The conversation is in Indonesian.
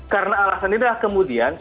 karena alasan ini adalah kemudian